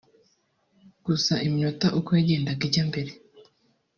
gusa iminota uko yagendaga ijya mbere